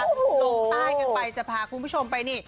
โรงท่ายกันไปจะพาคุณผู้ชมไปนี่